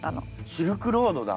シルクロードだ。